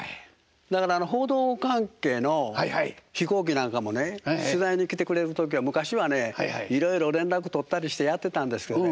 だから報道関係の飛行機なんかもね取材に来てくれる時は昔はねいろいろ連絡取ったりしてやってたんですけどね